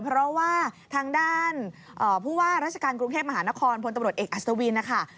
เพราะว่าทางด้านราชการกรุงเทพฯมหานครพตเอกอัสตวินนะคะ